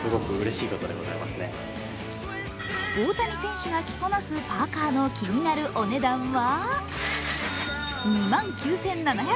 大谷選手が着こなすパーカーの気になるお値段は２万９７００円。